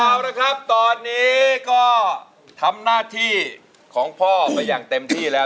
เอาละครับตอนนี้ก็ทำหน้าที่ของพ่อไปอย่างเต็มที่แล้ว